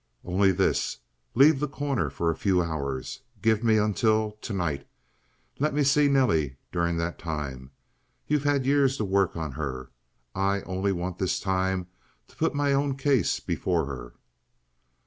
"Only this. Leave The Corner for a few hours. Give me until tonight. Let me see Nelly during that time. You've had years to work on her. I want only this time to put my own case before her."